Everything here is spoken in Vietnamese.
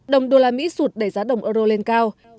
đồng usd sụt để giá đồng euro lên cao